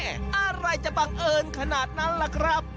อะไรจะบังเอิญขนาดนั้นล่ะครับ